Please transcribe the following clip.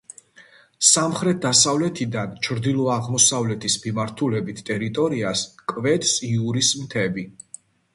სამხრეთ-დასავლეთიდან ჩრდილო-აღმოსავლეთის მიმართულებით ტერიტორიას კვეთს იურის მთები.